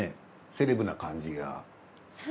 セレブな感じが。